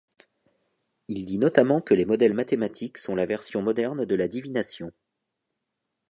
Il dit notamment que les modèles mathématiques sont la version moderne de la divination.